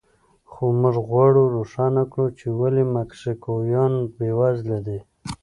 خو موږ غواړو روښانه کړو چې ولې مکسیکویان بېوزله دي.